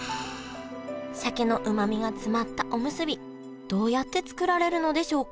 鮭のうまみが詰まったおむすびどうやって作られるのでしょうか？